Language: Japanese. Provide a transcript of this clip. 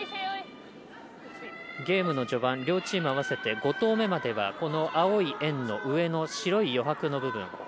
ゲームの序盤両チーム合わせて５投目まではこの青の円の白い余白の部分。